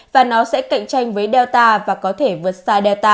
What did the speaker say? và nó sẽ cạnh tranh với delta và có thể vượt xa delta